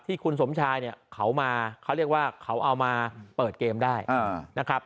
คุณสมชายเนี่ยเขามาเขาเรียกว่าเขาเอามาเปิดเกมได้นะครับ